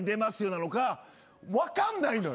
なのか分かんないのよ。